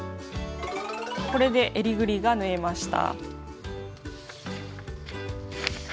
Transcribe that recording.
これでえりぐりが縫えました。